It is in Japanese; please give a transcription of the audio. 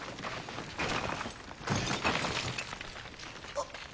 あっ。